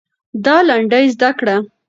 دا لنډۍ زده کړه.